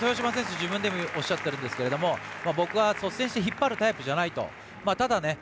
自分でもおっしゃってるんですが僕は率先して引っ張るタイプじゃないと。